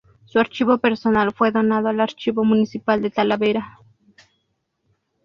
Su archivo personal fue donado al Archivo Municipal de Talavera.